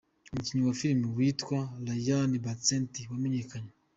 umukinnyi wa filimi witwa Rayane Bensetti wamenyekanye